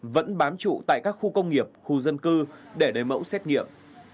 vẫn bám trụ tại các khu công nghiệp khu dân cư để lấy mẫu xét nghiệm